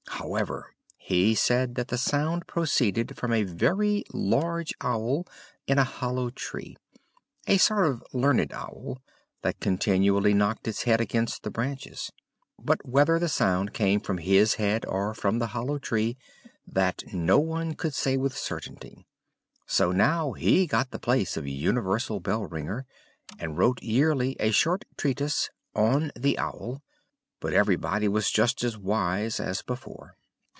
However, he said that the sound proceeded from a very large owl, in a hollow tree; a sort of learned owl, that continually knocked its head against the branches. But whether the sound came from his head or from the hollow tree, that no one could say with certainty. So now he got the place of "Universal Bell ringer," and wrote yearly a short treatise "On the Owl"; but everybody was just as wise as before.